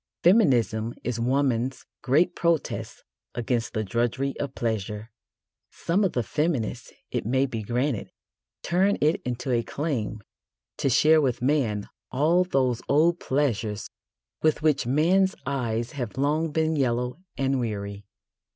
Feminism is woman's great protest against the drudgery of pleasure. Some of the feminists, it may be granted, turn it into a claim to share with man all those old pleasures with which man's eyes have long been yellow and weary.